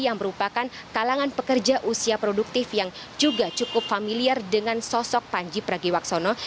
yang merupakan kalangan pekerja usia produktif yang juga cukup familiar dengan sosok panji pragiwaksono